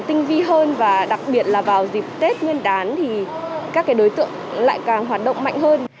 các đối tượng lại càng tinh vi hơn và đặc biệt là vào dịp tết nguyên đán thì các đối tượng lại càng hoạt động mạnh hơn